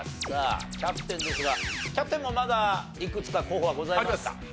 さあキャプテンですがキャプテンもまだいくつか候補はございますか？